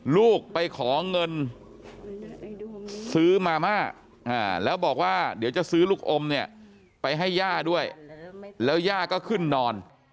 ลูกไปขอเงินซื้อมาม่าแล้วบอกว่าเดี๋ยวจะซื้อลูกอมเนี่ยไปให้ย่าด้วยแล้วย่าก็ขึ้นนอน